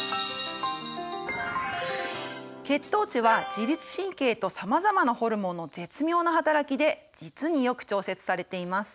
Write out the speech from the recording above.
血糖値は自律神経とさまざまなホルモンの絶妙な働きで実によく調節されています。